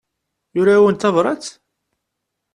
Yura-awent tabrat.